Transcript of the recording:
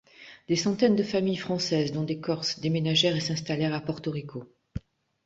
Des centaines de familles Françaises dont des Corses déménagèrent et s'installèrent à Porto Rico.